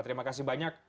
terima kasih banyak